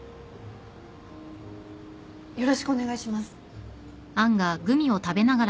よろしくお願いします。